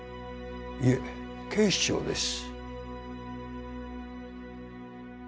いえ警視庁です